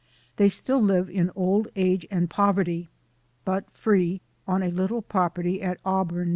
They still live in old age and poverty, but free, on a little property at Auburn, N".